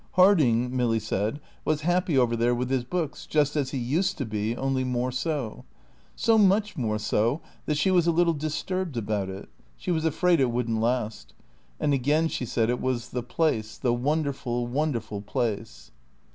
Harding, Milly said, was happy over there with his books; just as he used to be, only more so. So much more so that she was a little disturbed about it. She was afraid it wouldn't last. And again she said it was the place, the wonderful, wonderful place.